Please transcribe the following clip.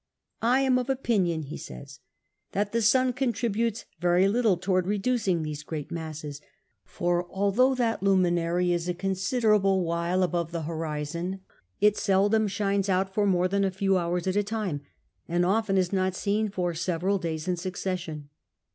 I am of opinion (he says) that the sun contributes very little towards reducing these great masses. ' For although that luminary is a considerable while above the horizon, it seldom shines out for more than a few hours at a time, and often is not seen for several days in succession.